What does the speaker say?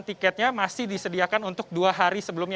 tiketnya masih disediakan untuk dua hari sebelumnya